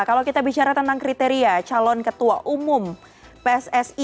kalau kita bicara tentang kriteria calon ketua umum pssi